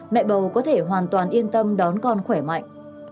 mẹ bầu có thể hoàn toàn yên tâm đón con khỏe mạnh